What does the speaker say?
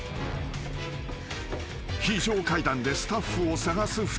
［非常階段でスタッフを探す２人］